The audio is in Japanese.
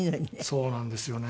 そうなんですよね。